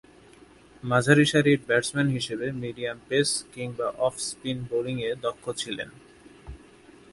মাঝারিসারির batsman হিসেবে medium pace কিংবা off spin বোলিংয়ে দক্ষ ছিলেন।